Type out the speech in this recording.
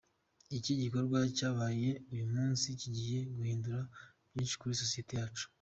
Iki gikorwa cyabaye uyu munsi kigiye guhindura byinshi kuri sosiyete yacu.